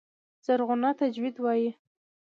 زرغونه تجوید وايي.